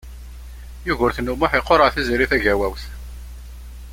Yugurten U Muḥ iqureɛ Tiziri Tagawawt.